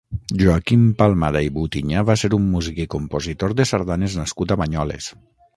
Joaquim Palmada i Butinyà va ser un músic i compositor de sardanes nascut a Banyoles.